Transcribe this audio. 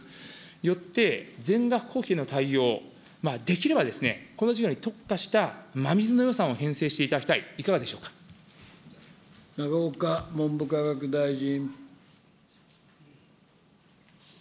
よって、全額の対応、できればこの事業に特化した真水の予算を編成して永岡文部科学大臣。